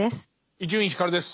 伊集院光です。